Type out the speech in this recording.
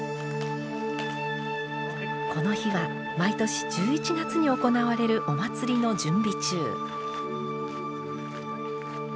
この日は毎年１１月に行われるお祭りの準備中。